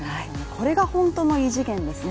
これが本当の異次元ですね。